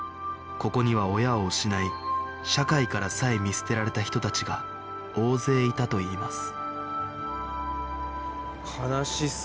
ここには親を失い社会からさえ見捨てられた人たちが大勢いたといいます